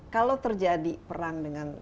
kalau terjadi perang dengan